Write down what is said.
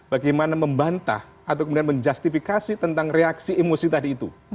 bagaimana membantah atau kemudian menjustifikasi tentang reaksi emosi tadi itu